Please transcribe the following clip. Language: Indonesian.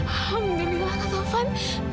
alhamdulillah kak taufan